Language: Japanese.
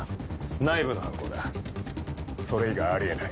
内部の犯行だそれ以外あり得ない。